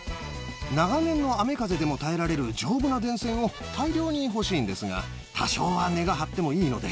長年の雨風でも耐えられる丈夫な電線を大量に欲しいんですが、多少は値が張ってもいいので。